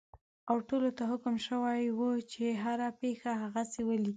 او ټولو ته حکم شوی وو چې هره پېښه هغسې ولیکي.